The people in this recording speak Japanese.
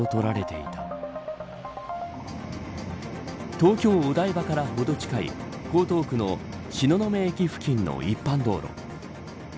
東京・お台場からほど近い江東区の東雲駅付近の一般道路。